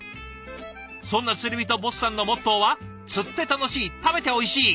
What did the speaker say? そんな釣り人ｂｏｓｓさんのモットーは「釣って楽しい食べておいしい」。